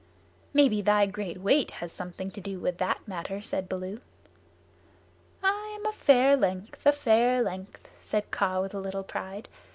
"Maybe thy great weight has something to do with the matter," said Baloo. "I am a fair length a fair length," said Kaa with a little pride.